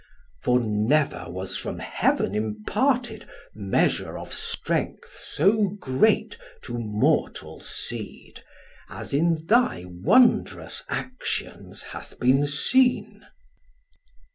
For never was from Heaven imparted Measure of strength so great to mortal seed, As in thy wond'rous actions Hath been seen.